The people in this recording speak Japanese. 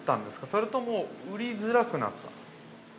それとも売りづらくなった？